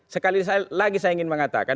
sekali lagi saya ingin mengatakan